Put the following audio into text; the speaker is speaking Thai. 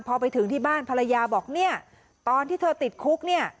พอไปถึงที่บ้านภรรยาบอกตอนที่เธอติดคุก